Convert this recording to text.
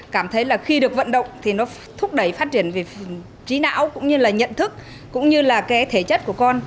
cảm thấy là khi được vận động thì nó thúc đẩy phát triển về trí não cũng như là nhận thức cũng như là cái thể chất của con